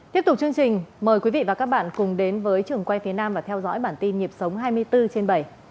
tiếp tục chương trình mời quý vị và các bạn cùng đến với trường quay phía nam và theo dõi bản tin nhịp sống hai mươi bốn trên bảy